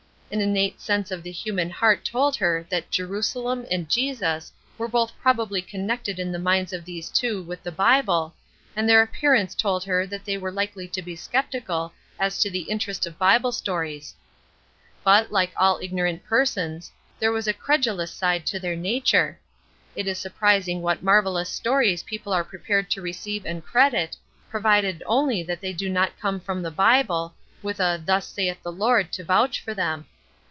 An innate sense of the human heart told her that "Jerusalem" and "Jesus" were both probably connected in the minds of these two with the Bible, and their appearance told her that they were likely to be skeptical as to the interest of Bible stories. But, like all ignorant persons, there was a credulous side to their nature. It is surprising what marvelous stories people are prepared to receive and credit, provided only that they do not come from the Bible, with a "Thus saith the Lord" to vouch for them.